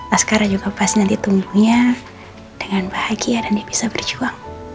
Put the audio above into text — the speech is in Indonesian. askara juga pasti nanti tumbuhnya dengan bahagia dan dia bisa berjuang